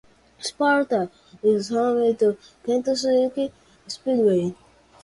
Sparta is home to Kentucky Speedway.